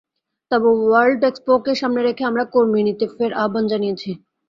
তবে ওয়ার্ল্ড এক্সপোকে সামনে রেখে আমরা কর্মী নিতে ফের আহ্বান জানিয়েছি।